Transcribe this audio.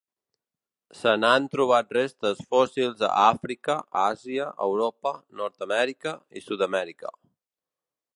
Se n'han trobat restes fòssils a Àfrica, Àsia, Europa, Nord-amèrica i Sud-amèrica.